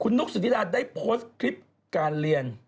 นุ๊กสุธิดาได้โพสต์คลิปการเรียน